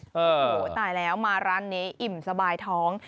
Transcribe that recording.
โอ้โหตายแล้วมาร้านนี้อิ่มสบายท้อง